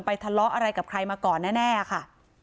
ทะเลาะอะไรกับใครมาก่อนแน่ค่ะ